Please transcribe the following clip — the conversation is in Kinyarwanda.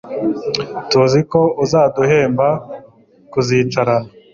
tuzi ko uzaduhemba, kuzicarana